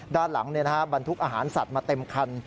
ด้านหลังบรรทุกอาหารสัตว์มาเต็มคัน